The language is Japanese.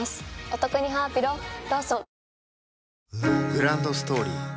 グランドストーリー